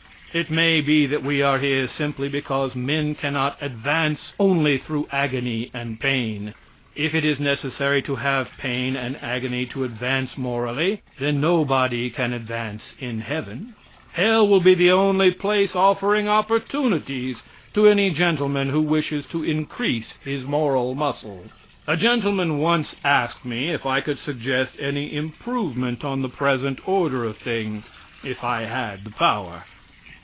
It may be that we are here simply because men cannot advance only through agony and pain. If it is necessary to have pain and agony to advance morally, then nobody can advance in heaven. Hell will be the only place offering opportunities to any gentleman who wishes to increase his moral muscle. A gentleman once asked me if I could suggest any improvement on the present order of things, if I had the power.